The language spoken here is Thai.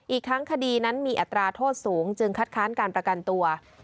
อีกทั้งคดีนั้นมีอัตราโทษสูงจึงคัดค้านการประกันตัว